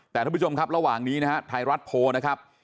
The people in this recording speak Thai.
แต่ท่านผู้ชมครับระหว่างนี้นะฮะไทยรัฐโพลนะครับ